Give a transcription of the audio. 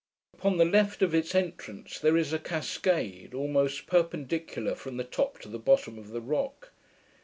Upon the left of its entrance there is a cascade, almost perpendicular from the top to the bottom of the rock.